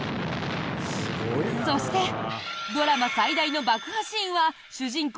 そしてドラマ最大の爆破シーンは主人公